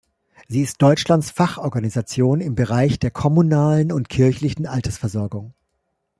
Sie ist Deutschlands Fachorganisation im Bereich der kommunalen und kirchlichen Altersversorgung.